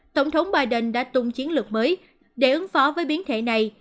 tổng thống biden đã tung chiến lược mới để ứng phó với biến thể này